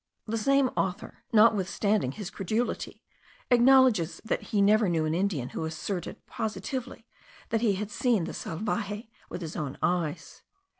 The same author, notwithstanding his credulity, acknowledges that he never knew an Indian who asserted positively that he had seen the salvaje with his own eyes.